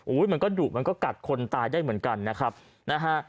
มันก็ดุมันก็กัดคนตายได้เหมือนกันนะครับนะฮะ